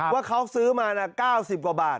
ว่าเขาซื้อมา๙๐กว่าบาท